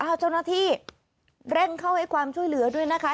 เอาเจ้าหน้าที่เร่งเข้าให้ความช่วยเหลือด้วยนะคะ